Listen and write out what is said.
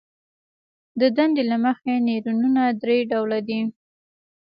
د دندې له مخې نیورونونه درې ډوله دي.